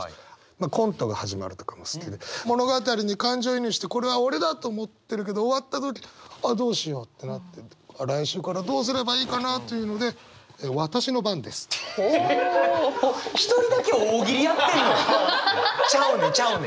まあ「コントが始まる」とかも好きで物語に感情移入してこれは俺だと思ってるけど終わった時あっどうしようってなって来週からどうすればいいかなというので「わたしの番です」。一人だけ大喜利やってんのよ！